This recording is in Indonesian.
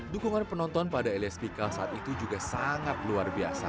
dukungan penonton pada elias pikal saat itu juga sangat luar biasa